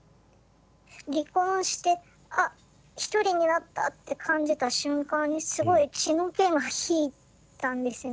離婚して「あ１人になった」って感じた瞬間にすごい血の気が引いたんですね。